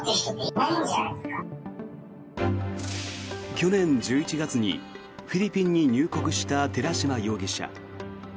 去年１１月にフィリピンに入国した寺島容疑者。